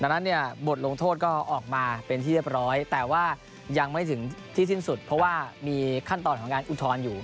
ดังนั้นเนี่ยบทลงโทษก็ออกมาเป็นที่เรียบร้อยแต่ว่ายังไม่ถึงที่สิ้นสุดเพราะว่ามีขั้นตอนของการอุทธรณ์อยู่